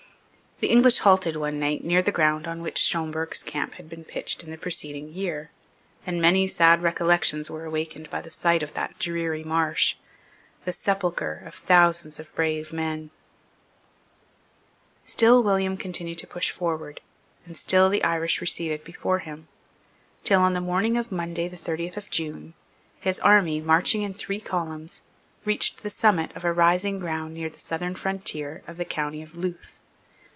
The English halted one night near the ground on which Schomberg's camp had been pitched in the preceding year; and many sad recollections were awakened by the sight of that dreary marsh, the sepulchre of thousands of brave men, Still William continued to push forward, and still the Irish receded before him, till, on the morning of Monday the thirtieth of June, his army, marching in three columns, reached the summit of a rising ground near the southern frontier of the county of Louth.